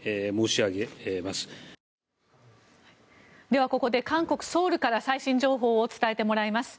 ではここで韓国・ソウルから最新情報を伝えてもらいます。